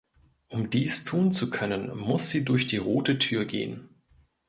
Um dies tun zu können, muss sie durch die rote Tür gehen.